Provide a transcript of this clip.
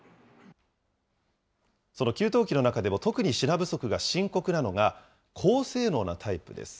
その給湯器の中でも、特に品不足が深刻なのが、高性能なタイプです。